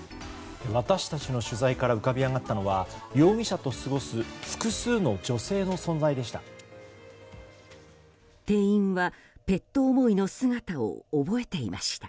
私たちの取材から浮かび上がったのは容疑者と過ごす複数の女性の存在でした。